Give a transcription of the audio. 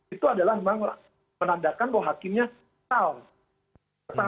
itu adalah memang menandakan bahwa hakimnya tahu